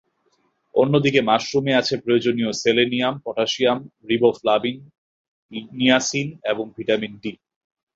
অন্যদিকে মাশরুমে আছে প্রয়োজনীয় সেলেনিয়াম, পটাশিয়াম, রিবোফ্লোবিন, নিয়াসিন এবং ভিটামিন ডি।